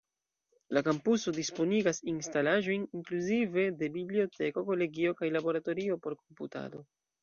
La kampuso disponigas instalaĵojn inkluzive de biblioteko, kolegio kaj laboratorio por komputado.